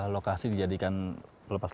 lokasi dijadikan pelepas